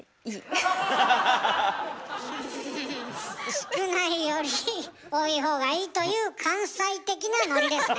少ないより多いほうがいいという関西的なノリですね？